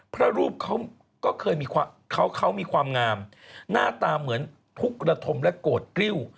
เพราะรูปเขาเคยมีความงามหน้าตาเหมือนพุกระทมและโกรธกริ้ว